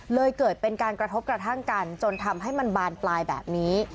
เลยเกิดเป็นการกระทบกระทั่งกันจนทำให้มันบานปลายแบบนี้